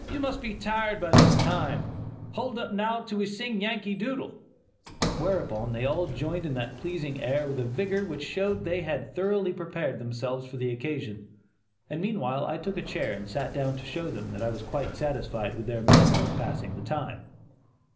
you must be tired by this time; hold up now till we sing 'Yankee Doodle,'" whereupon they all joined in that pleasing air with a vigor which showed that they had thoroughly prepared themselves for the occasion, and meanwhile I took a chair and sat down to show them that I was quite satisfied with their manner of passing the time.